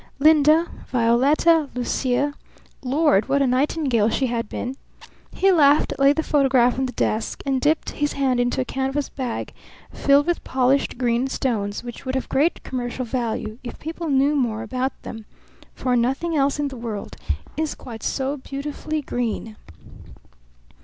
Linda, Violetta, Lucia. Lord, what a nightingale she had been! He laughed laid the photograph on the desk, and dipped his hand into a canvas bag filled with polished green stones which would have great commercial value if people knew more about them; for nothing else in the world is quite so beautifully green.